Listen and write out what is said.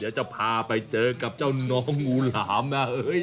จะพาไปเจอกับเจ้าน้องงูหลามนะเฮ้ยนี่ไงเรา